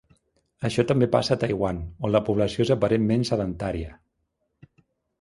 Això també passa a Taiwan, on la població és aparentment sedentària.